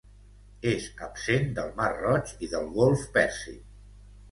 És absent del mar Roig i del golf Pèrsic.